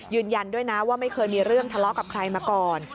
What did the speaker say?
ยืนยันด้วยนะว่าไม่เคยมีเรื่องทะเลาะกับใครมาก่อน